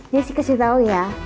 jesse kasih tau ya